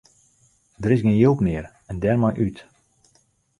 Der is gjin jild mear en dêrmei út.